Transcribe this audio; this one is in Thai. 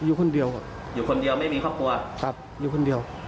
อยู่คนเดียวอยู่คนเดียวไม่มีครอบครัวอยู่คนเดียว